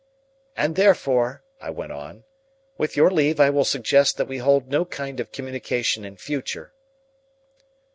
"And therefore," I went on, "with your leave, I will suggest that we hold no kind of communication in future."